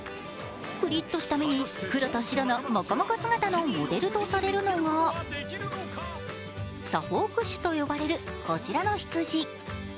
クリッっとした目に黒と白のモコモコ姿のモデルとされるのがサフォーク種と呼ばれるこちらの羊。